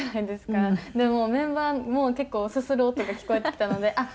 でもメンバーも結構すする音が聞こえてきたのであっ